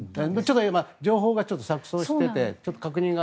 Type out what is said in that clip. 情報がちょっと錯綜していて確認が。